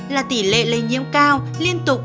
là tỉ lệ lây nhiễm cao liên tục